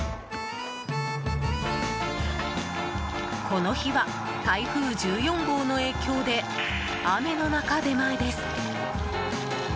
この日は台風１４号の影響で雨の中、出前です。